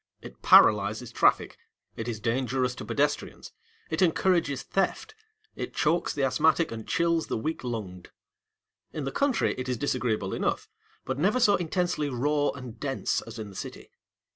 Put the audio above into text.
It paralyses traffic, it is dangerous to pedestrians, it encourages theft, it chokes the asthmatic, and chills the weak lunged. In the country it is disagreeable enough; but never so intensely raw and dense as in the city.